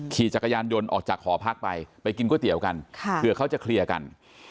ขี่จักรยานยนต์ออกจากหอพักไปไปกินก๋วยเตี๋ยวกันเผื่อเขาจะเคลียร์กัน